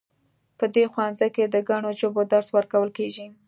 په دې ښوونځي کې د ګڼو ژبو درس ورکول کیږي